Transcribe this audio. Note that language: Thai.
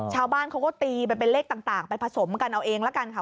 ชาวบ้านเขาก็ตีไปเป็นเลขต่างไปผสมกันเอาเองละกันค่ะ